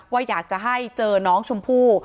ว่าอยากจะให้เจอน้องชมพู่